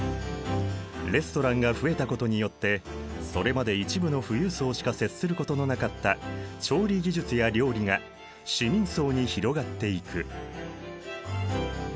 レストランが増えたことによってそれまで一部の富裕層しか接することのなかった調理技術や料理が市民層に広がっていく。